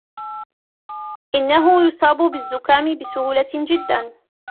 إنه يصاب بالزكام بسهولة جدا.